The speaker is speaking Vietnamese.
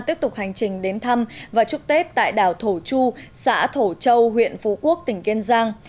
tiếp tục hành trình đến thăm và chúc tết tại đảo thổ chu xã thổ châu huyện phú quốc tỉnh kiên giang